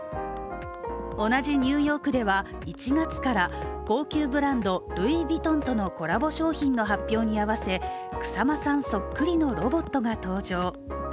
同じニューヨークでは１月から高級ブランド・ルイ・ヴィトンとのコラボ商品の発表に合わせ、草間さんそっくりのロボットが登場。